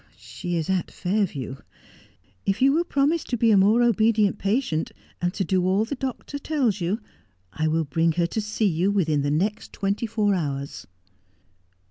' She is at Fairview. If you will promise to be a more obedient patient, and to do all the doctor tells you, I will bring her to see you within the next twenty four hours.'